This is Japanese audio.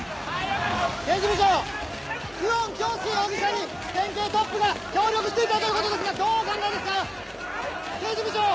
・刑事部長！久遠京介容疑者に県警トップが協力していたということですがどうお考えですか⁉刑事部長！